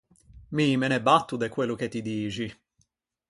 Mi me ne batto de quello che ti dixi.